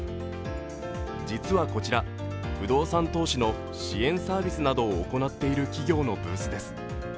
実はこちら、不動産投資の支援サービスなどを行っている企業のブースです。